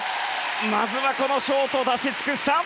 まずは、このショート出し尽くした！